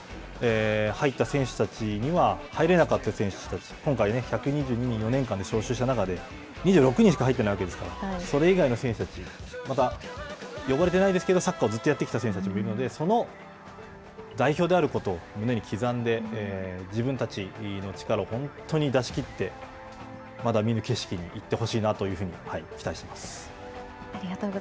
入った選手たちには、入れなかった選手たち、今回、１２２人、４年間で招集した中で２６人しか入ってないわけですから、それ以外の選手たち、また、呼ばれてないですけど、サッカーをずっとやってきた選手たちもいるので、その代表であることを胸に刻んで、自分たちの力を本当に出し切って、まだ見ぬ景色に行ってほしいなと、ありがとうございます。